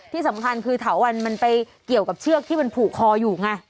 ที่สำคัญคือเถาวันมันไปเกี่ยวกับเชือกที่มันผูกคออยู่ไง